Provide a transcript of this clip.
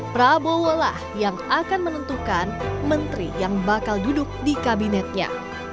prabowo lah yang akan menentukan menteri yang bakal duduk di kabinetnya